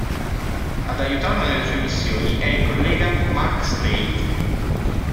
Ad aiutarla nelle sue missioni è il collega Mark Slate.